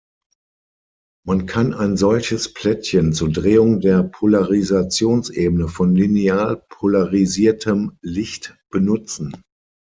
Man kann ein solches Plättchen zur Drehung der Polarisationsebene von linear polarisiertem Licht benutzen.